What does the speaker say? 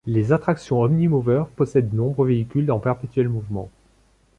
Les attractions Omnimover possèdent de nombreux véhicules en perpétuel mouvement.